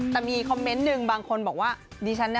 แต่มีคอมเมนต์หนึ่งบางคนบอกว่า